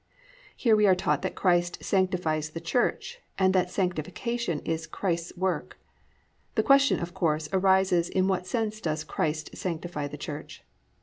"+ Here we are taught that Christ sanctifies the church and that Sanctification is Christ's work. The question, of course, arises, in what sense does Christ sanctify the church.